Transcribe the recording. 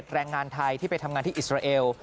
แรงงานไทยที่ไปทำงานที่อิสราเอล